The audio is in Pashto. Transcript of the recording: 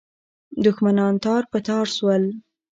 دښمنان تار په تار سول.